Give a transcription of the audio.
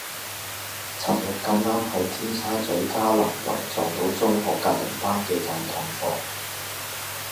噚日咁啱喺尖沙咀嘉蘭圍撞見中學隔離班嘅舊同學